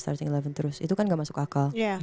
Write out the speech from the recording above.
starting eleven terus itu kan gak masuk akal